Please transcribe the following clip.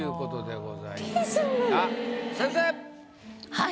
はい。